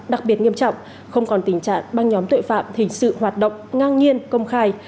đặc biệt nghiêm trọng không còn tình trạng băng nhóm tội phạm hình sự hoạt động ngang nhiên công khai